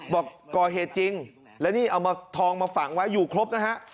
บอกก่อเหตุจริงแล้วนี่เอามาทองมาฝังไว้อยู่ครบนะฮะ